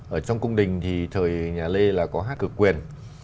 ở trong cung đình thì thời nhà lê là có hát cực quyền